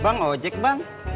bang ojek bang